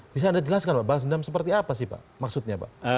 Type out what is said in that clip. bisa anda jelaskan pak balas dendam seperti apa sih pak maksudnya pak